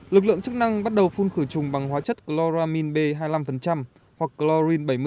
lực lượng chức năng bắt đầu phun khử trùng bằng hóa chất chloramine b hai mươi năm hoặc chlorine bảy mươi